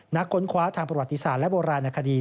ค้นคว้าทางประวัติศาสตร์และโบราณคดี